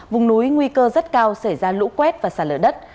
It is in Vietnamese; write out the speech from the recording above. vùng núi nguy cơ rất cao xảy ra lũ quét và xả lở đất